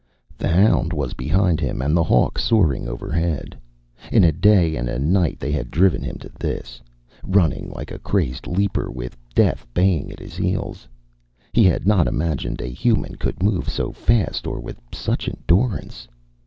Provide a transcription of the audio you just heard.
The hound was behind him and the hawk soaring overhead. In a day and a night they had driven him to this, running like a crazed leaper with death baying at his heels he had not imagined a human could move so fast or with such endurance.